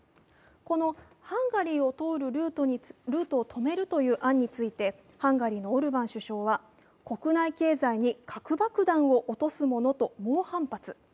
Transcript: このハンガリーを通るルートを止めるという案についてハンガリーのオルバン首相は国内経済に核爆弾を落とすものと猛反発。